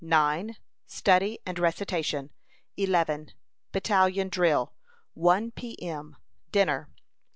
9 " Study and Recitation. 11 " Battalion Drill. 1 P. M. Dinner.